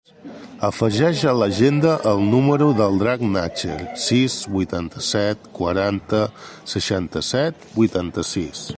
Afegeix a l'agenda el número del Drac Nacher: sis, vuitanta-set, quaranta, seixanta-set, vuitanta-sis.